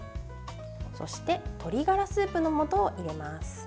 そして、鶏がらスープのもとを入れます。